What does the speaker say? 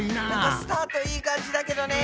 スタートいい感じだけどね。